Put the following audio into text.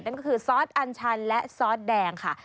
นั่นก็คือซอสอันชันและซอสแดงค่ะ